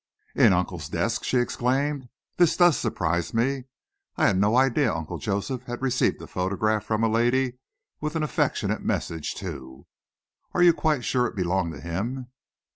"In Uncle's desk!" she exclaimed. "This does surprise me. I had no idea Uncle Joseph had received a photograph from a lady with an affectionate message, too. Are you quite sure it belonged to him?"